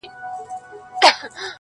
که څوک دي نه پېژني په مسجد کي غلا وکړه -